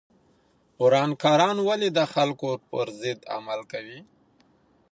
ورانکاران ولې د خلکو پر ضد عمل کوي؟